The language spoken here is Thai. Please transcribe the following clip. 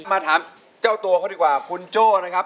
มาถามเจ้าตัวเขาดีกว่าคุณโจ้นะครับ